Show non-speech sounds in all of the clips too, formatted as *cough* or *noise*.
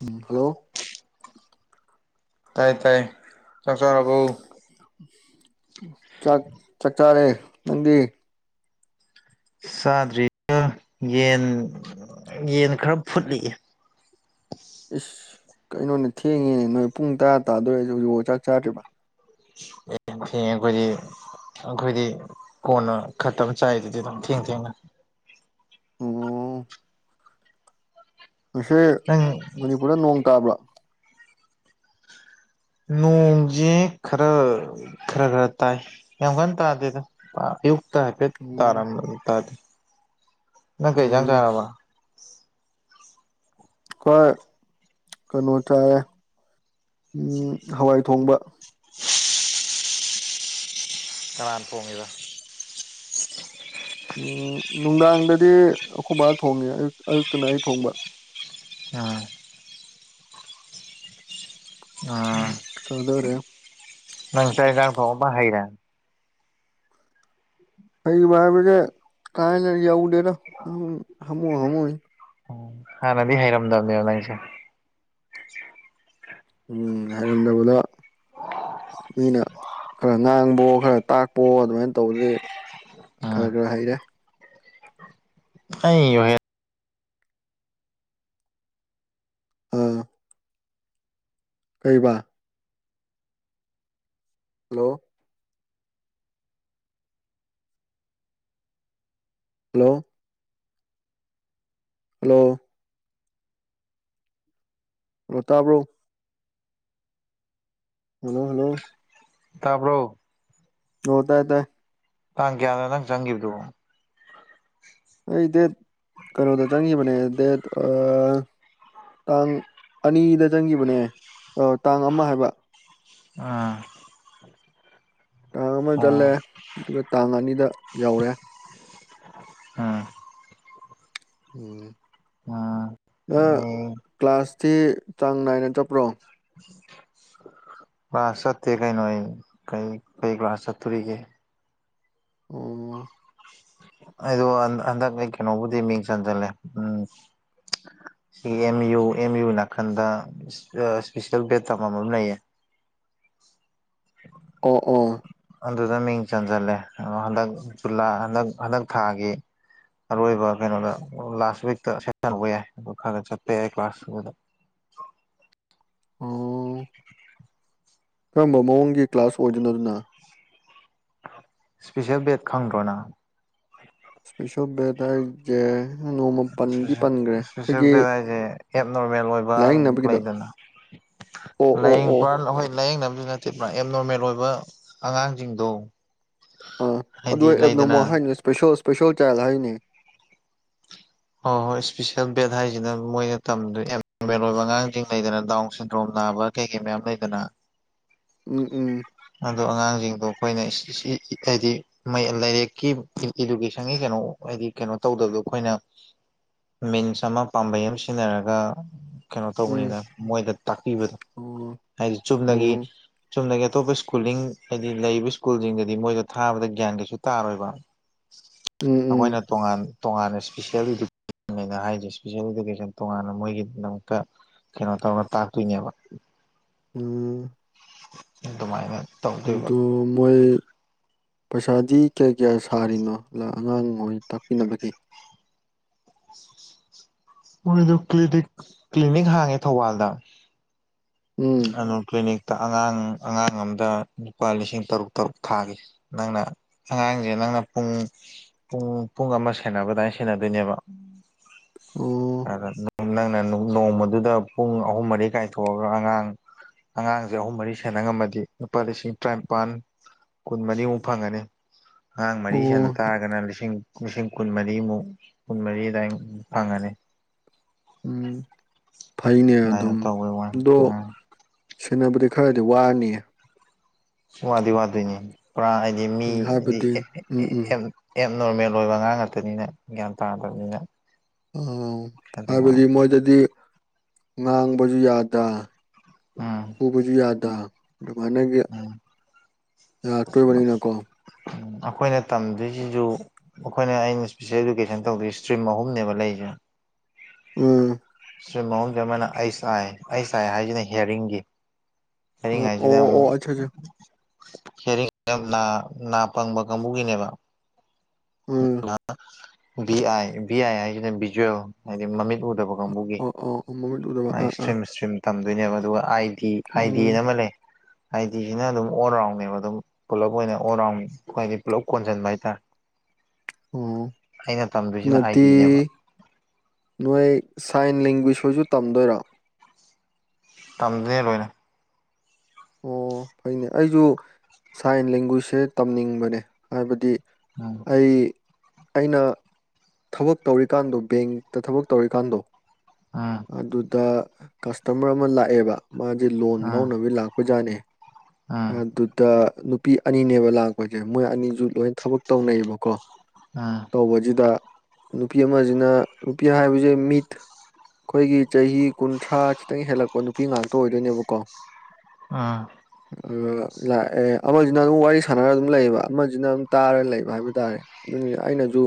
ꯎꯝ hello ꯇꯥꯏ ꯇꯥꯏ ꯆꯪꯁꯔꯕꯨ ꯆꯥꯛ ꯆꯥꯛ ꯆꯥꯔꯦ ꯅꯪꯗꯤ ꯆꯥꯗ꯭ꯔꯤꯗꯥ ꯌꯦꯟ ꯌꯦꯟ ꯈꯔ ꯐꯨꯠꯂꯤꯌꯦ ꯏꯁ ꯀꯩꯅꯣꯅꯦ ꯊꯦꯡꯉꯦꯅꯦ ꯅꯣꯏ ꯄꯨꯡ ꯇꯔꯥ ꯇꯥꯗꯣꯔꯁꯤ ꯍꯧꯖꯤꯛ ꯆꯥꯛ ꯆꯥꯗ꯭ꯔꯤꯕ ꯍꯈ ꯑꯩꯈꯣꯏꯗꯤ ꯀꯣꯟꯅ ꯈꯠꯇꯕ ꯆꯥꯏꯗꯨꯗꯤ ꯑꯗꯨꯝ ꯊꯦꯡ ꯊꯦꯡꯅ ꯑꯣ ꯉꯁꯦ ꯅꯪ ꯃꯅꯤꯄꯨꯔꯗ ꯅꯣꯡ ꯇꯥꯕ꯭ꯔꯥ ꯅꯣꯡꯖꯦ ꯈꯔ ꯈꯔ ꯈꯔ ꯇꯥꯏ ꯌꯥꯝ ꯀꯟꯅ ꯇꯥꯗꯦꯗꯌꯨꯛ ꯇꯥ ꯍꯥꯏꯐꯦꯠ ꯑꯣ ꯇꯥꯔꯝꯕꯅꯤ ꯇꯥꯗꯦ ꯅꯪ ꯀꯩ ꯏꯟꯁꯥꯡ ꯑꯣ ꯆꯥꯔꯥꯕꯥ ꯀꯣꯏ ꯀꯩꯅꯣ ꯆꯥꯌꯦ ꯎꯝ ꯍꯋꯥꯏ ꯊꯣꯡꯕ ꯍ ꯀꯥꯟꯄꯣꯡꯉꯗ ꯎꯝ ꯅꯨꯡꯗꯥꯡꯗꯗꯤ ꯑꯩꯈꯣꯏꯕꯥ ꯊꯣꯡꯉꯦ ꯑꯌꯨꯛ ꯑꯌꯨꯛꯇꯅ ꯑꯩ ꯊꯣꯡꯕ ꯎꯝ ꯑ *unintelligible* ꯅꯪ ꯆꯥꯛ ꯍꯦꯟꯁꯥꯡ ꯊꯣꯡꯕ ꯍꯩꯔꯦ ꯏꯃꯥꯟꯅꯕꯁꯦ ꯀꯥ ꯍꯦꯟꯅꯥ ꯌꯧꯗꯦꯗꯥ ꯍꯥꯝꯃꯨ ꯍꯥꯝꯃꯨꯅꯤ ꯎ ꯍꯥꯟꯅꯗꯤ ꯍꯩꯔꯝꯗꯕꯅꯦꯅ ꯅꯪꯁꯦ ꯎꯝ ꯍꯩꯔꯝꯗꯕꯗꯣ ꯃꯤꯅ ꯈꯔ ꯉꯥꯡꯕꯥꯑꯣ ꯈꯔ ꯇꯥꯛꯄꯥꯑꯣ ꯑꯗꯨꯃꯥꯏꯅ ꯇꯧꯕꯗꯗꯤ ꯎꯝ ꯈꯔ ꯈꯔ ꯍꯩꯔꯦ *unintelligible* ꯀꯩꯕ ꯍꯜꯂꯣ ꯍꯜꯂꯣ ꯍꯜꯂꯣ ꯍꯜꯂꯣ ꯇꯥꯕ꯭ꯔꯣ ꯍꯜꯂꯣ ꯍꯜꯂꯣ ꯇꯥꯕ꯭ꯔꯣ ꯍꯣ ꯇꯥꯏ ꯇꯥꯏ ꯇꯥꯡ ꯀꯌꯥꯅꯣ ꯅꯪ ꯆꯪꯈꯤꯕꯗꯨꯕꯣ ꯑꯩ ꯗꯦꯠ ꯀꯩꯅꯣꯗ ꯆꯪꯒꯤꯕꯅꯦ ꯗꯦꯠ *unintelligible* ꯇꯥꯡ ꯑꯅꯤꯗ ꯆꯪꯈꯤꯕꯅꯦ ꯇꯥꯡ ꯑꯃ ꯍꯥꯏꯕ ꯑꯥ ꯇꯥꯡ ꯑꯃ ꯆꯠꯂꯦ ꯑꯣ ꯑꯗꯨꯒ ꯇꯥꯡ ꯑꯅꯤꯗ ꯌꯧꯔꯦ ꯎꯝ ꯎꯝ ꯅꯪ ꯑꯩ ꯀ꯭ꯂꯥꯁꯇꯤ ꯆꯥꯡ ꯅꯥꯏꯅ ꯆꯠꯄ꯭ꯔꯣ *inaudible* ꯀ꯭ꯂꯥꯁ ꯆꯠꯇꯦ ꯀꯩꯅꯣ ꯑꯩ ꯀꯩ ꯀꯩ ꯀ꯭ꯂꯥꯁ ꯆꯠꯇꯣꯔꯤꯒꯦ ꯑꯣ ꯑꯩꯗꯣ ꯍꯟꯗꯛ ꯑꯩ ꯀꯩꯅꯣꯕꯨꯗꯤ ꯃꯤꯡ ꯆꯟꯁꯤꯜꯂꯦ ꯎꯝ ꯁꯤꯒꯤ ꯑꯦꯝ ꯌꯨ ꯑꯦꯝ ꯌꯨ ꯅꯥꯀꯟꯗ ꯏꯁꯄꯤꯁꯦꯜ ꯕꯦꯠ ꯇꯝꯐꯝ ꯂꯩꯌꯦ *inaudible* ꯑꯣ ꯑꯣ ꯑꯗꯨꯗ ꯃꯤꯡ ꯆꯟꯁꯤꯜꯂꯦ ꯑꯣ ꯍꯟꯗꯛ ꯖꯨꯂꯥ ꯍꯟꯗꯛ ꯍꯟꯗꯛ ꯊꯥꯒꯤ ꯑꯔꯣꯏꯕ ꯀꯩꯅꯣꯗ ꯂꯥꯁ ꯋꯤꯛꯇ ꯁꯦꯁꯟ ꯍꯧꯕ ꯌꯥꯏ ꯈꯔ ꯆꯠꯄ ꯌꯥꯏ ꯀ꯭ꯂꯥꯁ ꯑꯗꯨꯗ ꯑꯣ ꯀꯔꯝꯕ ꯃꯑꯣꯡꯒꯤ ꯀ꯭ꯂꯥꯁ ꯑꯣꯏꯗꯣꯏꯅꯣꯗꯨꯅ ꯏꯁꯄꯤꯁꯦꯜ ꯕꯦꯠ ꯈꯪꯗ꯭ꯔꯣ ꯅꯪ ꯏꯁꯄꯤꯁꯤꯜ ꯕꯦꯗ ꯍꯥꯏꯁꯦ ꯅꯣꯡꯃ ꯄꯟꯗꯤ ꯄꯟꯈ꯭ꯔꯦ ꯏꯁꯄꯤꯁꯦꯜ ꯑꯩꯈꯣꯏꯒꯤ *unintelligible* ꯑꯦꯞ ꯅꯣꯔꯃꯦꯜ ꯑꯣꯏꯕ ꯂꯥꯏꯌꯦꯡꯅꯕꯒꯤꯗꯣ ꯂꯩꯗꯅ ꯑꯣ ꯑꯣ ꯑꯣ ꯂꯥꯏꯌꯦꯡꯕ ꯍꯣꯏ ꯂꯥꯏꯌꯦꯡꯅꯕꯁꯨ ꯅꯠꯇꯦ ꯑꯦꯞ ꯅꯣꯔꯃꯦꯜ ꯑꯣꯏꯕ ꯑꯉꯥꯡꯁꯤꯡꯗꯣ ꯑꯥ ꯑꯗꯨ ꯍꯥꯏꯗꯤ ꯑꯦꯞ ꯂꯩꯗꯅ ꯅꯣꯔꯃꯦꯜ ꯍꯥꯏꯅꯣ ꯏꯁꯄꯦꯁꯦꯜ ꯏꯁꯄꯦꯁꯦꯜ ꯆꯥꯏꯜ ꯍꯥꯏꯅꯤ ꯍꯣꯏ ꯍꯣꯏ ꯏꯁꯄꯤꯁꯤꯦꯜ ꯕꯦꯗ ꯍꯥꯏꯁꯤꯅ ꯃꯣꯏꯅ ꯇꯝꯗꯣꯏꯅꯦ ꯑꯉꯥꯡꯁꯤꯡ ꯂꯩꯗꯅ ꯗꯥꯎꯟ ꯁꯤꯟꯗ꯭ꯔꯣꯝ ꯅꯥꯕ ꯀꯩ ꯀꯩ ꯃꯌꯥꯝ ꯂꯩꯗꯅ ꯎꯝ ꯎꯝ ꯑꯗꯣ ꯑꯉꯥꯡꯁꯤꯡꯗꯣ ꯑꯩꯈꯣꯏꯅ *unintelligible* ꯍꯥꯏꯗꯤ ꯂꯥꯏꯔꯤꯛꯀꯤ ꯏꯗꯨꯀꯦꯁꯟꯒꯤ ꯀꯩꯅꯣ ꯍꯥꯏꯗꯤ ꯀꯩꯅꯣ ꯇꯧꯗꯕꯗꯣ ꯑꯩꯈꯣꯏꯅ ꯃꯤꯟꯁ ꯑꯃ ꯄꯥꯝꯕꯩ ꯑꯃ ꯁꯤꯖꯤꯟꯅꯔꯒ ꯀꯩꯅꯣ ꯎꯝ ꯇꯧꯕꯅꯤꯅ ꯃꯣꯏꯗ ꯇꯥꯛꯄꯤꯕꯗꯣ ꯑꯣ ꯍꯥꯏꯗꯤ ꯑꯣ ꯆꯨꯝꯅꯒꯤ ꯆꯨꯝꯗꯒꯤ ꯑꯇꯣꯞꯄ ꯏꯁ꯭ꯀꯨꯂꯤꯡ ꯍꯥꯏꯗꯤ ꯂꯩꯔꯤꯕ ꯏꯁ꯭ꯀꯨꯜꯁꯤꯡꯗꯗꯤ ꯃꯣꯏꯗ ꯊꯥꯕꯗ ꯒ꯭ꯌꯥꯟ ꯀꯩꯁꯨ ꯇꯥꯔꯣꯏꯕ *inaudible* ꯎꯝ ꯎꯝ ꯃꯣꯏꯅ ꯇꯣꯉꯥꯟ ꯇꯣꯉꯥꯟꯅ ꯏꯁꯄꯤꯁꯦꯜ ꯑꯗꯨꯅ ꯍꯥꯏꯔꯤꯁꯦ ꯏꯁꯄꯤꯁꯦꯜ ꯏꯗꯨꯀꯦꯁꯟ ꯇꯣꯉꯥꯟꯅ ꯃꯣꯏꯒꯤꯗꯃꯛꯇ ꯀꯩꯅꯣ ꯇꯧꯔ ꯇꯥꯛꯇꯣꯏꯅꯦꯕ ꯎꯝ ꯑꯗꯨꯃꯥꯏꯅ ꯇꯧꯗꯣꯏꯕ ꯑꯗꯨ ꯃꯣꯏ ꯄꯩꯁꯥꯗꯤ ꯀꯌꯥ ꯀꯌꯥ ꯁꯥꯔꯤꯅꯣ ꯑꯉꯥꯡ ꯃꯣꯏ ꯇꯥꯛꯄꯤꯅꯕꯒꯦ ꯃꯣꯏꯗꯣ ꯀ꯭ꯂꯤꯅꯤꯛ ꯀ꯭ꯂꯤꯅꯤꯛ ꯍꯥꯡꯉꯦ ꯊꯧꯕꯥꯜꯗ ꯎꯝ ꯑꯗꯨ ꯀ꯭ꯂꯤꯅꯤꯛꯇ ꯑꯉꯥꯡ ꯑꯉꯥꯡ ꯑꯝꯗ ꯂꯨꯄꯥ ꯂꯤꯁꯤꯡ ꯇꯔꯨꯛ ꯇꯔꯨꯛ ꯊꯥꯈꯤ ꯅꯪꯅ ꯑꯉꯥꯡꯁꯦ ꯅꯪꯅ ꯄꯨꯡ ꯄꯨꯡ ꯄꯨꯡ ꯑꯃ ꯁꯦꯟꯅꯕꯗꯥꯏꯅ ꯁꯦꯟꯅꯗꯣꯏꯅꯦꯕ ꯑꯣ ꯑꯗ ꯅꯪꯅ ꯅꯣꯡꯃꯗꯨꯗ ꯄꯨꯡ ꯑꯍꯨꯝ ꯃꯔꯤ ꯀꯥꯏꯊꯣꯛꯑꯒ ꯑꯉꯥꯡ ꯑꯉꯥꯡꯁꯦ ꯑꯍꯨꯝ ꯃꯔꯤ ꯁꯥꯟꯅ ꯉꯝꯃꯗꯤ ꯂꯨꯄꯥ ꯂꯤꯁꯤꯡ ꯇꯔꯥꯅꯤꯄꯜ ꯀꯨꯟ ꯃꯔꯤꯃꯨꯛ ꯐꯪꯉꯅꯤ ꯑꯉꯥꯡ ꯃꯔꯤ ꯁꯦꯟꯅ ꯑꯣ ꯇꯥꯔꯒꯅ ꯂꯤꯁꯤꯡ ꯂꯤꯁꯤꯡ ꯀꯨꯟ ꯃꯔꯤꯃꯨꯛ ꯀꯨꯟ ꯃꯔꯤ ꯑꯗꯨꯏ ꯐꯪꯉꯅꯤ ꯎꯝ ꯐꯩꯅꯦ ꯑꯗꯨꯃꯥꯏꯅ ꯑꯗꯨꯝ ꯇꯧꯕꯩ ꯋꯥꯅꯤ ꯑꯗꯣ ꯎꯝ ꯁꯦꯟꯅꯕꯗꯤ ꯈꯔꯗꯤ ꯋꯥꯔꯅꯤꯌꯦ ꯋꯥꯗꯤ ꯋꯥꯗꯣꯏꯅꯦ ꯄꯨꯔꯥ ꯍꯥꯏꯗꯤ ꯃꯤ ꯎꯝ ꯍꯥꯏꯗꯤ ꯍꯥꯏꯕꯗꯤ ꯎꯝ ꯎꯝ *unintelligible* ꯑꯦꯠ ꯅꯣꯔꯃꯦꯜ ꯑꯣꯏꯕ ꯑꯉꯥꯡ ꯉꯥꯛꯇꯅꯤꯅ ꯒ꯭ꯌꯥꯟ ꯇꯥꯗꯕꯅꯤꯅ ꯎꯝ ꯑꯗꯨꯏ ꯍꯥꯏꯕꯗꯤ ꯋꯥꯅꯤ ꯃꯣꯏꯗꯗꯤ ꯉꯥꯡꯕꯁꯨ ꯌꯥꯗ ꯎꯝ ꯐꯨꯕꯖꯨ ꯌꯥꯗ ꯑꯗꯨꯃꯥꯏꯅꯒꯤ ꯎꯝ ꯂꯥꯛꯇꯣꯏꯕꯅꯤꯅꯀꯣ ꯎꯝ ꯑꯩꯈꯣꯏꯅ ꯇꯝꯗ꯭ꯣꯏꯁꯤꯁꯨ ꯑꯩꯈꯣꯏꯅ ꯑꯩꯅ ꯏꯁꯄꯤꯁꯦꯜ ꯏꯗꯨꯀꯦꯁꯟ ꯇꯧꯗꯣꯏ ꯏꯁꯇ꯭ꯔꯤꯝ ꯑꯍꯨꯝꯅꯦꯕ ꯂꯩꯔꯤꯁꯦ ꯎꯝ ꯁꯏꯇꯤꯝ ꯃꯍꯨꯝꯁꯦ ꯑꯃꯅ ꯑꯩꯁ ꯑꯥꯏ ꯑꯩꯁ ꯑꯥꯏ ꯍꯥꯏꯁꯤꯅ ꯍꯤꯌꯥꯔꯤꯡꯒꯤ ꯍꯤꯌꯔꯤ ꯑ ꯑꯣ ꯍꯥꯏꯁꯤꯅ ꯑꯃꯨꯛ ꯑꯣ ꯑꯠꯆꯥ ꯑꯠꯆꯥ ꯍꯔꯤꯡ ꯍꯥꯏꯁꯤ ꯅꯥ ꯄꯪꯕ ꯀꯥꯡꯕꯨꯒꯤꯅꯦꯕ ꯎꯝ ꯚꯤ ꯑꯥꯏ ꯚꯤ ꯑꯥꯏ ꯍꯥꯏꯁꯤꯅ ꯕꯤꯖꯣ ꯍꯥꯏꯗꯤ ꯃꯃꯤꯠ ꯎꯗꯕ ꯀꯥꯡꯕꯨꯒꯤ ꯑꯣ ꯑꯣ ꯑꯣ ꯃꯃꯤꯠ ꯎꯗꯕ ꯑꯥ ꯑꯥ ꯏꯁꯇ꯭ꯔꯤꯝ ꯏꯁꯇ꯭ꯔꯤꯝ ꯇꯝꯗꯣꯏꯅꯦꯕ ꯑꯗꯨꯒ ꯑꯥꯏꯗꯤ ꯑꯥꯏ ꯎꯝ ꯗꯤꯅ ꯑꯃ ꯂꯩ ꯑꯥꯏꯗꯤꯁꯤꯅ ꯑꯗꯨꯝ ꯑꯣꯜ ꯔꯥꯎꯟꯅꯕ ꯑꯗꯨꯝ ꯄꯨꯂꯞ ꯑꯣꯏꯅ ꯑꯣꯜ ꯔꯥꯎꯟ ꯍꯥꯏꯗꯤ ꯄꯨꯂꯞ ꯀꯣꯟꯁꯤꯟꯕ ꯍꯥꯏꯇꯥꯔꯦ ꯑꯣ ꯑꯩꯅ ꯇꯝꯗꯣꯏꯁꯤꯅ ꯑꯥꯏ ꯑꯗꯨꯅꯗꯤ ꯗꯤꯅꯦꯕ ꯅꯣꯏ ꯁꯥꯏꯟ ꯂꯦꯡꯒ꯭ꯋꯖ ꯍꯣꯏꯁꯨ ꯇꯝꯗꯣꯏꯔꯣ ꯇꯝꯗꯣꯏꯅꯦ ꯂꯣꯏꯅ ꯑꯣ ꯐꯩꯅꯦ ꯑꯩꯁꯨ ꯁꯥꯏꯟ ꯂꯦꯡꯒ꯭ꯋꯖꯁꯦ ꯇꯝꯅꯤꯡꯕꯅꯦ ꯍꯥꯏꯕꯗꯤ ꯎꯝ ꯑꯩ ꯑꯩꯅ ꯊꯕꯛ ꯇꯧꯔꯤꯀꯥꯟꯗꯣ ꯕꯦꯡꯇ ꯊꯕꯛ ꯇꯧꯔꯤꯀꯥꯟꯗꯣ ꯎꯝ ꯑꯗꯨꯗ ꯀꯁꯇꯃꯔ ꯑꯃ ꯂꯥꯛꯑꯦꯕ ꯃꯥꯁꯦ ꯂꯣꯟ ꯎꯝ ꯂꯧꯅꯕ ꯂꯥꯛꯄ ꯑꯣꯖꯥꯅꯦ ꯎꯝ ꯑꯗꯨꯗ ꯅꯨꯄꯤ ꯑꯅꯤꯅꯦꯕ ꯂꯥꯛꯄꯁꯦ ꯃꯣꯏ ꯑꯅꯤꯁꯨ ꯂꯣꯏ ꯊꯕꯛ ꯇꯧꯅꯩꯌꯦꯕꯀꯣ ꯎꯝ ꯇꯧꯕꯁꯤꯗ ꯅꯨꯄꯤ ꯑꯃꯁꯤꯅ ꯅꯨꯄꯤ ꯍꯥꯏꯕꯁꯦ ꯃꯤꯠ ꯑꯩꯈꯣꯏꯒꯤ ꯆꯍꯤ ꯀꯨꯟꯊ꯭ꯔꯥ ꯈꯤꯇꯪ ꯍꯦꯜꯂꯛꯄ ꯅꯨꯄꯤ ꯉꯥꯛꯇ ꯑꯣꯏꯗꯣꯏꯅꯦꯕꯀꯣ ꯑꯥ ꯂꯥꯛ ꯑꯦ ꯑꯃꯁꯤꯅ ꯑꯗꯨꯝ ꯋꯥꯔꯤ ꯁꯥꯟꯅꯔꯒ ꯑꯗꯨꯝ ꯂꯩꯌꯦꯕ ꯑꯃꯁꯤꯅ ꯑꯗꯨꯝ ꯇꯥꯔ ꯂꯩꯕ ꯍꯥꯏꯕ ꯇꯥꯔꯦ ꯑꯗꯨꯅꯤꯅ ꯑꯩꯅꯁꯨ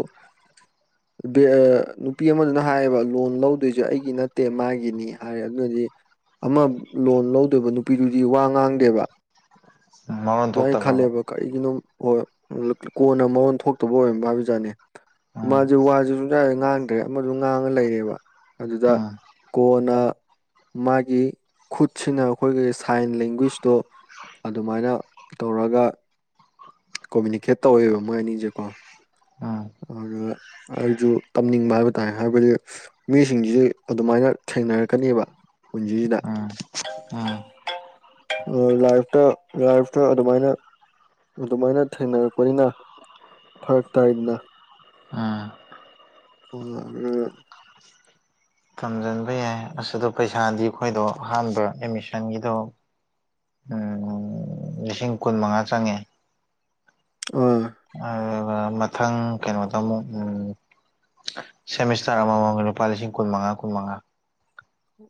ꯅꯨꯄꯤ ꯑꯃꯗꯨꯅ ꯍꯥꯏꯌꯦꯕ ꯂꯣꯟ ꯂꯧꯗꯣꯏꯁꯦ ꯑꯩꯒꯤ ꯅꯠꯇꯦ ꯃꯥꯒꯤꯅꯤ ꯍꯥꯏꯔꯦ ꯑꯗꯨꯅꯗꯤ ꯑꯃ ꯂꯣꯟ ꯂꯧꯗꯣꯏꯕ ꯅꯨꯄꯤꯗꯨꯗꯤ ꯋꯥ ꯉꯥꯡꯗꯦꯕ ꯃꯔꯣꯟ ꯑꯗꯨ ꯑꯩꯅ ꯊꯣꯛꯇꯕ꯭ꯔꯕ ꯈꯜꯂꯦꯕ ꯀꯔꯤꯒꯤꯅꯣ ꯍꯣꯏ ꯀꯣꯟꯅ ꯃꯔꯣꯟ ꯊꯣꯛꯇꯕ ꯑꯣꯏꯔꯝꯕ ꯍꯥꯏꯕ ꯖꯥꯠꯅꯦ ꯎꯝ ꯃꯥꯁꯦ ꯋꯥꯁꯦ ꯁꯨꯡ ꯌꯥꯔꯦ ꯉꯥꯡꯗ꯭ꯔꯦ ꯑꯃꯁꯨ ꯉꯥꯡꯉ ꯂꯩꯔꯦꯕ ꯑꯗꯨꯗ ꯎꯝ ꯀꯣꯟꯅ ꯃꯥꯒꯤ ꯈꯨꯠꯁꯤꯅ ꯑꯩꯈꯣꯏꯒꯤ ꯁꯥꯏꯟ ꯂꯦꯡꯒ꯭ꯋꯤꯁꯇꯣ ꯑꯗꯨꯃꯥꯏꯅ ꯇꯧꯔꯒ ꯀꯣꯃꯨꯅꯤꯀꯦꯠ ꯇꯧꯋꯦꯕ ꯃꯣꯏ ꯑꯅꯤꯁꯦꯀꯣ ꯎꯝ ꯑꯗꯨ ꯑꯩꯁꯨ ꯇꯝꯅꯤꯡꯕ ꯍꯥꯏꯕ ꯇꯥꯔꯦ ꯍꯥꯏꯕꯗꯤ ꯃꯤꯁꯤꯡꯁꯤꯁꯨ ꯑꯗꯨꯃꯥꯏꯅ ꯊꯦꯡꯅꯔꯛꯀꯅꯦꯕ ꯄꯨꯟꯁꯤꯁꯤꯗ ꯎꯝ ꯎꯝ ꯂꯥꯏꯐꯇ ꯂꯥꯏꯐꯇ ꯑꯗꯨꯃꯥꯏꯅ ꯑꯗꯨꯃꯥꯏꯅ ꯊꯦꯡꯅꯔꯛꯄꯅꯤꯅ ꯐꯔꯛ ꯇꯥꯏꯗꯅ ꯑꯝ ꯑꯣ ꯇꯝꯖꯟꯕ ꯌꯥꯏ ꯑꯁꯤꯗ ꯄꯩꯁꯥꯗꯤ ꯑꯩꯈꯣꯏꯗꯣ ꯑꯍꯥꯟꯕ ꯑꯦꯠꯃꯤꯁꯟꯒꯤꯗꯣ ꯂꯤꯁꯤꯡ ꯀꯨꯟ ꯃꯉꯥ ꯆꯪꯉꯦ ꯑ ꯑꯗꯨꯒ ꯃꯊꯪ ꯀꯩꯅꯣꯗ ꯑꯃꯨꯛ ꯎ ꯁꯦꯃꯤꯁꯇꯔ ꯑꯃꯃꯝꯗ ꯂꯨꯄꯥ ꯂꯤꯁꯤꯡ ꯀꯨꯟꯃꯉꯥ ꯀꯨꯟꯃꯉꯥ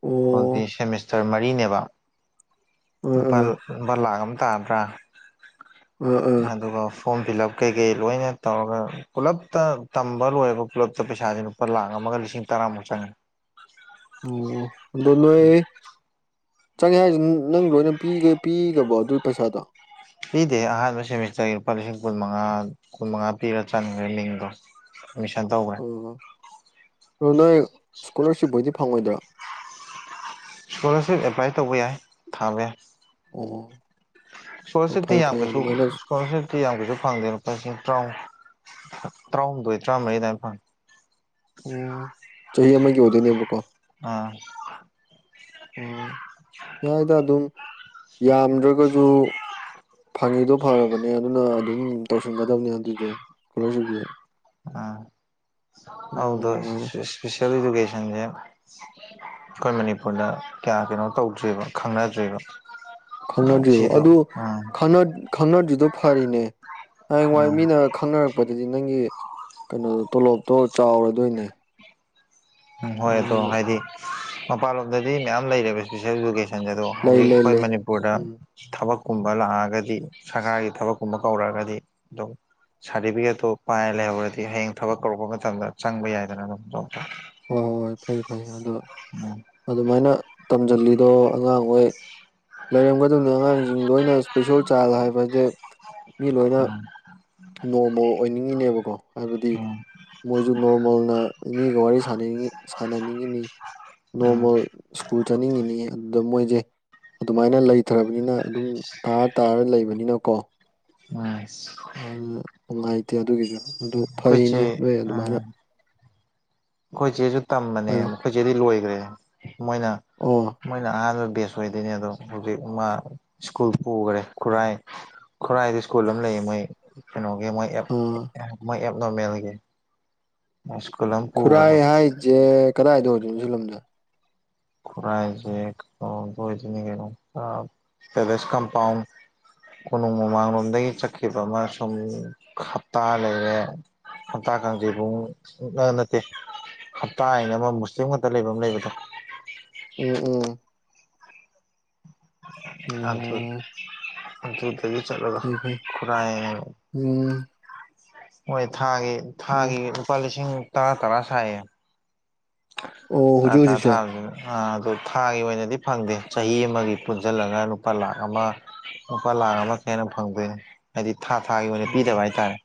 ꯑꯣ ꯍꯧꯗꯤ ꯁꯦꯃꯤꯁꯇꯔ ꯃꯔꯤꯅꯦꯕ ꯑꯥ ꯂꯨꯄꯥ ꯑꯥ ꯕ ꯂꯥꯛ ꯑꯃ ꯇꯥꯕ꯭ꯔꯥ ꯑꯥ ꯑꯥ ꯑꯗꯨꯒ ꯐꯣꯔꯝ ꯐꯤꯜ ꯑꯞ ꯀꯩꯀꯩ ꯂꯣꯏꯅ ꯇꯧꯔꯒ ꯄꯨꯂꯞꯇ ꯇꯝꯕ ꯂꯣꯏꯔꯒ ꯄꯨꯜꯂꯞꯇ ꯄꯩꯁꯥꯁꯤ ꯂꯨꯄꯥ ꯂꯥꯛ ꯑꯃꯒ ꯂꯤꯁꯤꯡ ꯇꯔꯥꯃꯨꯛ ꯆꯪꯉꯦ ꯑꯣ ꯑꯗꯣꯅꯣꯏ ꯆꯪꯉꯦ ꯍꯥꯏꯁꯤ ꯅꯪ ꯂꯣꯏꯅ ꯄꯤ ꯄꯤꯒꯕꯣ ꯑꯗꯨꯒꯤ ꯄꯩꯁꯥꯗꯣ ꯄꯤꯗꯦ ꯑꯍꯥꯟꯕ ꯁꯦꯃꯤꯁꯇꯔꯒꯤ ꯂꯨꯄꯥ ꯂꯤꯁꯤꯡ ꯀꯨꯟꯃꯉꯥ ꯀꯨꯟꯃꯉꯥ ꯄꯤꯔ ꯆꯟꯈ꯭ꯔꯦ ꯂꯤꯡꯗꯣ ꯃꯤꯁꯟ ꯇꯧ ꯑꯣ ꯑꯣ ꯅꯣꯏ ꯏꯁꯀꯣꯂꯥꯔꯁꯤꯞꯄꯣꯏꯗꯤ ꯐꯪꯉꯣꯏꯗ꯭ꯔꯥ ꯏꯁꯀꯣꯂꯥꯔꯁꯤꯞ ꯑꯦꯄ꯭ꯂꯥꯏ ꯇꯧꯕ ꯌꯥꯏ ꯊꯥꯕ ꯌꯥꯏ ꯑꯣ ꯏꯁꯀꯣꯂꯔꯁꯤꯞ ꯇꯤ ꯐꯩ ꯌꯥꯝ ꯐꯩ ꯀꯁꯨ ꯑꯗꯨꯃꯥꯏꯅ ꯁꯀꯣꯂꯔꯁꯤꯞ ꯇꯤ ꯌꯥꯝ ꯀꯩꯁꯨ ꯐꯪꯗꯦ ꯂꯨꯄꯥ ꯂꯤꯁꯤꯡ ꯇꯔꯥꯍ ꯇꯔꯥꯍꯨꯝꯗꯣꯏ ꯇꯔꯥꯃꯔꯤ ꯑꯗꯨꯃꯥꯏꯅ ꯐꯪꯉꯦ ꯎꯝ ꯆꯍꯤ ꯑꯃꯒꯤ ꯑꯣꯏꯗꯣꯏꯅꯦꯕꯀꯣ ꯑꯥ ꯑꯣ ꯌꯥꯏꯗ ꯑꯗꯨꯝ ꯌꯥꯝꯗ꯭ꯔꯒꯁꯨ ꯐꯪꯉꯤꯗꯣ ꯐꯔꯕꯅꯦ ꯑꯗꯨꯅ ꯑꯗꯨꯝ ꯇꯧꯁꯟꯒꯗꯕꯅꯦ ꯑꯗꯨꯛꯁꯨ ꯏꯁꯀꯣꯂꯔꯁꯤꯞꯁꯨ ꯎꯝ ꯎꯝ ꯍꯗ ꯑꯗꯨꯃꯥꯏꯅ ꯏꯁꯄꯤꯦꯁꯦꯜ ꯏꯖꯨꯀꯦꯁꯟꯁꯦ ꯑꯩꯈꯣꯏ ꯃꯅꯤꯄꯨꯔꯗ ꯀꯌꯥ ꯀꯩꯅꯣ ꯇꯧꯗ꯭ꯦꯕ ꯈꯪꯅꯗ꯭ꯔꯤꯕ ꯈꯪꯅꯗ꯭ꯔꯤꯕꯣ ꯁꯤꯗꯣ ꯑꯗꯨ ꯎꯝ ꯈꯪꯅꯗ꯭ꯔꯤꯗꯣ ꯐꯔꯤꯅꯦ ꯍꯌꯦꯡꯋꯥꯏ ꯎꯝ ꯃꯤꯅ ꯈꯪꯅꯔꯛꯄꯗꯗꯤ ꯅꯪꯒꯤ ꯀꯩꯅꯣꯗꯣ ꯇꯣꯂꯣꯞꯇꯣ ꯆꯥꯎꯔꯗꯣꯏꯅꯦ ꯎꯝ ꯍꯣꯏ ꯑꯗꯣ ꯑꯗꯨꯅ ꯍꯥꯏꯗꯤ ꯃꯄꯥꯟꯂꯣꯝꯗꯗꯤ ꯃꯌꯥꯝ ꯂꯩꯔꯦꯕ ꯏꯁꯄꯤꯁꯦꯜ ꯏꯖꯀꯦꯁꯟ ꯑꯗꯣ ꯂꯩ ꯍꯧꯖꯤꯛ ꯂꯩ ꯑꯩꯈꯣꯏ ꯂꯩ ꯃꯅꯤꯄꯨꯔꯗ ꯎꯝ ꯊꯕꯛꯀꯨꯝꯕ ꯂꯥꯛꯑꯒꯗꯤ ꯁꯔꯀꯥꯔꯒꯤ ꯊꯕꯛꯀꯨꯝꯕ ꯀꯧꯔꯛꯑꯒꯗꯤ ꯑꯗꯨꯝ ꯁꯥꯔꯇꯤꯐꯤꯀꯦꯠꯇꯨ ꯄꯥꯏꯔ ꯂꯩꯍꯧꯔꯗꯤ ꯍꯌꯦꯡ ꯊꯕꯛ ꯀꯧꯔꯛꯄ ꯃꯇꯝꯗ ꯆꯪꯕ ꯌꯥꯏꯗꯅ ꯑꯗꯨꯝ ꯍꯣꯏ ꯍꯣꯏ ꯍꯣꯏ ꯐꯩ ꯐꯩ ꯑꯗꯣ ꯎꯝ ꯑꯗꯨꯃꯥꯏꯅ ꯇꯝꯁꯤꯜꯂꯤꯗꯣ ꯑꯉꯥꯡꯍꯣꯏ ꯂꯩꯔꯝꯒꯗꯕꯅꯤ ꯑꯉꯥꯡꯁꯤꯡꯗꯣ ꯑꯣꯏꯅ ꯏꯁꯄꯤꯁꯦꯜ ꯆꯂꯥꯏꯕ ꯍꯥꯏꯕꯁꯦ ꯃꯤ ꯂꯣꯏꯅ ꯎꯝ ꯅꯣꯔꯃꯦꯜ ꯑꯣꯏꯅꯤꯡꯉꯤꯅꯦꯕꯀꯣ ꯍꯥꯏꯕꯗꯤ ꯎꯝ ꯃꯣꯏꯁꯨ ꯅꯣꯔꯃꯦꯜꯅ ꯃꯤꯒ ꯋꯥꯔꯤ ꯁ ꯁꯥꯟꯅꯅꯤꯡꯉꯤꯅꯤ ꯎꯝ ꯅꯣꯔꯃꯦꯜ ꯁ꯭ꯀꯨꯜ ꯆꯠꯅꯤꯡꯉꯤꯅꯤ ꯑꯗꯨꯗ ꯃꯣꯏꯁꯦ ꯑꯗꯨꯃꯥꯏꯅ ꯂꯩꯊ꯭ꯔꯔꯕꯅꯤꯅ ꯑꯗꯨꯝ ꯇꯥꯔ ꯇꯥꯔ ꯂꯩꯕꯅꯤꯅꯀꯣ ꯎ ꯅꯨꯡꯉꯥꯏꯇꯦ ꯑꯗꯨꯒꯤꯁꯨ ꯑꯗꯨ ꯐꯩꯅꯦ ꯆꯦ ꯅꯣꯏ ꯑꯗꯨꯃꯥꯏꯅ ꯎꯝ ꯑꯩꯈꯣꯏ ꯆꯦꯁꯨ ꯇꯝꯕꯅꯦ ꯍꯥꯏꯔꯣ ꯃꯈꯣꯏ ꯆꯦꯗꯤ ꯂꯣꯏꯈ꯭ꯔꯦ ꯃꯣꯏꯅ ꯑꯣ ꯃꯣꯏꯅ ꯑꯍꯥꯟꯕ ꯕꯦꯁ ꯁꯣꯏꯗꯣꯏꯅꯦ ꯑꯗꯣ ꯍꯧꯖꯤꯛ ꯃꯥ ꯁ꯭ꯀꯨꯜ ꯄꯨꯈꯔꯦ ꯈꯨꯔꯥꯏ ꯈꯨꯔꯥꯏꯗ ꯁ꯭ꯀꯨꯜ ꯑꯃ ꯂꯩꯌꯦ ꯃꯣꯏ ꯀꯩꯅꯣꯒꯤ ꯃꯣꯏ ꯑꯦꯞ ꯑꯥ ꯃꯣꯏ ꯑꯦꯞ ꯅꯣꯔꯃꯦꯜꯒꯤ ꯁ꯭ꯀꯨꯜ ꯑꯃ ꯄꯨꯈ꯭ꯔꯦ ꯈꯨꯔꯥꯏ ꯍꯥꯏꯁꯦ ꯀꯗꯥꯏꯗꯣ ꯑꯣꯏꯗꯣꯏꯅꯣ ꯁꯤ ꯂꯝꯗ ꯈꯨꯔꯥꯏꯖꯦ ꯀꯩꯅꯣꯗ ꯑꯣꯏꯗꯣꯏꯅꯦ ꯀꯩꯅꯣ ꯄꯦꯂꯦꯁ ꯀꯝꯄꯥꯎꯟ ꯀꯣꯅꯨꯡ ꯃꯃꯥꯡꯂꯣꯝꯗꯒꯤ ꯆꯠꯈꯤꯕ ꯑꯃ ꯁꯨꯝ ꯍꯞꯇꯥ ꯂꯩꯔꯦ ꯍꯞꯇꯥ ꯀꯥꯡꯖꯩ ꯄꯨꯡ ꯅꯠꯇꯦ ꯍꯞꯇꯥ ꯍꯥꯏꯅ ꯑꯃ ꯃꯨꯁꯂꯤꯝ ꯈꯛꯇ ꯂꯩꯕ ꯑꯃ ꯂꯩꯕꯗꯣ ꯎꯝ ꯎꯝ ꯑꯗꯨ ꯎꯝ ꯑꯗꯨ ꯑꯗꯨ ꯗꯩ ꯆꯠꯂ ꯐꯩ ꯐꯩ ꯈꯨꯔꯥꯏ ꯎꯝ ꯍꯣꯏ ꯊꯥꯒꯤ ꯎꯝ ꯊꯥꯒꯤ ꯂꯨꯄꯥ ꯂꯤꯁꯤꯡ ꯇꯔꯥ ꯇꯔꯥ ꯁꯥꯏꯌꯦ ꯑꯣ ꯊꯥ ꯍꯧꯖꯤꯛ ꯊꯥ ꯍꯧꯖꯤꯛꯁꯦ ꯊꯥꯒꯅꯤ ꯑꯗꯨ ꯊꯥꯒꯤ ꯑꯣꯏꯅꯗꯤ ꯐꯪꯗꯦ ꯆꯍꯤ ꯑꯃꯒꯤ ꯄꯨꯟꯁꯤꯜꯂꯒ ꯂꯨꯄꯥ ꯂꯥꯛ ꯑꯃ ꯂꯨꯄꯥ ꯂꯥꯛ ꯑꯃ ꯈꯔ ꯍꯦꯟꯅ ꯐꯪꯗꯣꯏꯅꯦ ꯍꯥꯏꯗꯤ ꯊꯥ ꯊꯥꯒꯤ ꯑꯣꯏꯅ ꯑꯣ ꯄꯤꯗꯕ ꯍꯥꯏꯇꯥꯔꯦ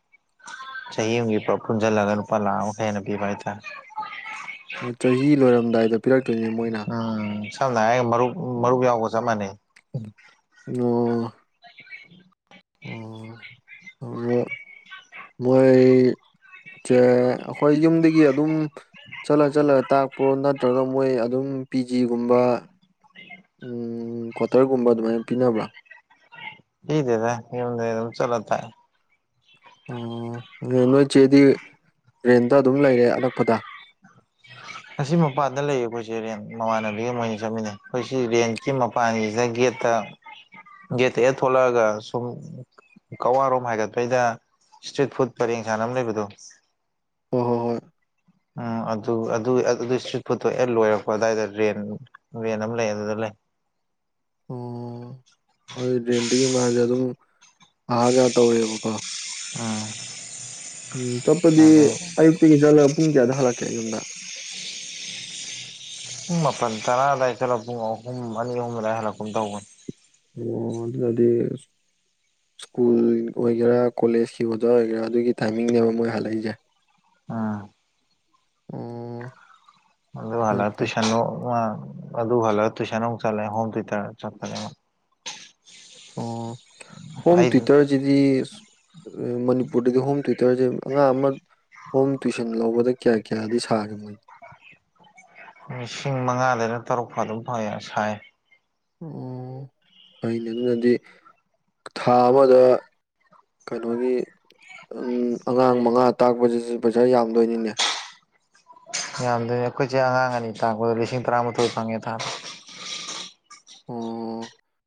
ꯆꯍꯤ ꯑꯃꯒꯤ ꯄꯨꯟꯁꯤꯜꯂꯒ ꯂꯨꯄꯥ ꯂꯥꯛ ꯑꯃꯛ ꯍꯦꯟꯅ ꯄꯤꯕ ꯍꯥꯏꯇꯥꯔꯦ ꯆꯍꯤ ꯂꯣꯏꯔꯝꯗꯥꯏꯗ ꯄꯤꯔꯛꯇꯣꯏꯅꯦ ꯃꯣꯏꯅ ꯎꯝ ꯁꯝꯅ ꯍꯥꯏꯔꯒ ꯃꯔꯨꯞ ꯃꯔꯨꯞ ꯎꯝ. ꯌꯥꯎꯕꯒ ꯆꯞ ꯃꯥꯟꯅꯩ ꯑꯣ ꯑꯣ ꯑꯗꯣ ꯃꯣꯏ ꯁꯦ ꯑꯩꯈꯣꯏ ꯌꯨꯝꯗꯒꯤ ꯑꯗꯨꯝ ꯆꯠꯂ ꯆꯠꯂꯒ ꯇꯥꯛꯄ꯭ꯔꯣ ꯅꯠꯇ꯭ꯔꯒ ꯃꯣꯏ ꯑꯗꯨꯝ ꯄꯤ ꯖꯤꯒꯨꯝꯕ ꯎꯝ ꯀ꯭ꯋꯥꯇꯔꯒꯨꯝꯕ ꯑꯗꯨꯃꯥꯏꯅ ꯄꯤꯅꯕ꯭ꯔꯥ ꯄꯤꯗꯦꯗ ꯑꯗꯨꯝ ꯆꯠꯂꯒ ꯇꯥꯛ ꯑꯦ ꯑꯣ ꯑꯗꯨ ꯅꯣꯏ ꯆꯦꯗꯤ ꯔꯦꯟꯗ ꯑꯗꯨꯝ ꯂꯩꯔꯦ ꯑꯅꯛꯄꯗ *inaudible* ꯑꯁꯤ ꯃꯄꯥꯟꯗ ꯂꯩꯌꯦ ꯑꯩꯈꯣꯏ ꯆꯦ ꯔꯦꯟ ꯃꯃꯥꯟꯅꯕꯤ ꯑꯃ ꯃꯣꯏ ꯑꯅꯤ ꯆꯠꯃꯤꯟꯅꯩ ꯑꯩꯈꯣꯏ ꯁꯤ ꯔꯦꯟꯀꯤ ꯃꯄꯥꯒꯤ ꯒꯦꯠꯇ ꯒꯦꯠꯇ ꯍꯦꯛ ꯊꯣꯛꯣꯂꯛꯑꯒ ꯁꯨꯝ ꯀꯛꯋꯥ ꯔꯣꯝ ꯍꯥꯏꯒꯠꯄꯩꯗ ꯏꯁꯇ꯭ꯔꯤꯠ ꯐꯨꯗ ꯄꯔꯦꯡ ꯁꯥꯟꯅ ꯑꯃ ꯂꯩꯕꯗꯣ ꯍꯣꯏ ꯍꯣꯏ ꯍꯣꯏ ꯎꯝ ꯑꯗꯨ ꯑꯗꯨ ꯑꯗꯨ ꯏꯁꯇ꯭ꯔꯤꯠ ꯐꯨꯗꯠꯇꯣ ꯍꯦꯛ ꯂꯣꯏꯔꯛꯄ ꯑꯗꯨꯋꯥꯏꯗ ꯔꯦꯟ ꯔꯦꯟ ꯑꯃ ꯂꯩ ꯑꯗꯨꯗ ꯂꯩ ꯑꯗꯨ ꯔꯦꯟꯗꯒꯤ ꯃꯥꯁꯦ ꯑꯗꯨꯝ ꯑꯥꯖꯥ ꯇꯧꯔꯦꯕꯀꯣ ꯎꯝ ꯎꯝ ꯆꯠꯄꯗꯤ ꯑꯗꯩ ꯑꯌꯨꯛꯇꯒꯤ ꯆꯠꯂꯒ ꯄꯨꯡ ꯀꯌꯥꯗ ꯍꯜꯂꯛꯀꯦ ꯑꯩ ꯌꯨꯝꯗ ꯄꯨꯡ ꯃꯥꯄꯜ ꯇꯔꯥ ꯑꯁꯋꯥꯏꯗ ꯆꯠꯂꯒ ꯄꯨꯡ ꯑꯍꯨꯝ ꯑꯅꯤ ꯑꯍꯨꯝ ꯑꯅꯤ ꯍꯜꯂꯛꯄꯒꯨꯝ ꯇꯧꯕꯅꯤ ꯑꯣ ꯑꯗꯨ ꯑꯣꯏ ꯇꯥꯗꯤ ꯁ꯭ꯀꯨꯜ ꯑꯣꯏꯒꯦꯔꯥ ꯀꯣꯂꯦꯖꯀꯤ ꯑꯣꯖꯥ ꯑꯣꯏꯒꯦꯔꯥ ꯑꯗꯨꯒꯤ ꯇꯥꯏꯃꯤꯡꯅꯦꯕ ꯃꯣꯏ ꯍꯜꯂꯛꯏꯁꯦ ꯎꯝ ꯑꯣ ꯑꯗꯨ ꯐꯩ ꯍꯜꯂꯛꯒ ꯐꯩ ꯇꯨꯏꯁꯟꯗꯨ ꯑꯗꯨ ꯍꯜꯂꯒ ꯇꯨꯏꯁꯟ ꯑꯃꯨꯛ ꯆꯠꯂꯦ ꯍꯣꯝ ꯇꯌꯨ ꯇꯔ ꯆꯠꯈꯔꯦ ꯑꯣ ꯍꯣꯝ ꯑꯩ ꯇꯌꯨ ꯇꯔꯁꯤꯗꯤ ꯃꯅꯤꯄꯨꯔꯗꯗꯤ ꯍꯣꯝ ꯇꯌꯨ ꯇꯌꯨ ꯇꯔꯁꯦ ꯑꯉꯥꯡ ꯑꯃ ꯍꯣꯝ ꯇꯨꯋꯏꯁꯟ ꯂꯧꯕꯗ ꯀꯌꯥ ꯀꯌꯥꯗꯤ ꯁꯥꯒꯦ ꯃꯣꯏꯅ ꯂꯤꯁꯤꯡ ꯃꯉꯥꯗꯅ ꯇꯔꯨꯛ ꯐꯧ ꯑꯗꯨꯝ ꯐꯡꯉꯦ ꯁꯥꯏ ꯑꯣ ꯐꯩꯅꯦ ꯑꯗꯨꯅꯗꯤ ꯊꯥ ꯑꯃꯗ ꯀꯩꯅꯣꯒꯤ ꯎꯝ ꯑꯉꯥꯡ ꯃꯉꯥ ꯇꯥꯛꯄꯁꯤꯁꯨ ꯄꯩꯁꯥ ꯌꯥꯝꯗꯣꯏꯅꯤꯅꯦ ꯌꯥꯝꯗꯣꯏꯅꯤ ꯑꯩꯈꯣꯏ ꯆꯦ ꯑꯉꯥꯡ ꯑꯅꯤ ꯇꯥꯛꯄꯗꯣ ꯂꯤꯁꯤꯡ ꯇꯔꯥꯃꯥꯊꯣꯏ ꯐꯪꯉꯦ ꯊꯥꯗ ꯑꯣ